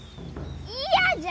嫌じゃ！